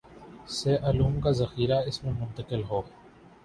سے علوم کا ذخیرہ اس میں منتقل ہو